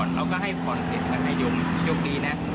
แล้วก็ให้พรเสร็จนะให้โยมยกดีนะ